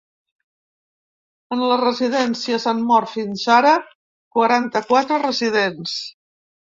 En les residències han mort fins ara quaranta-quatre residents.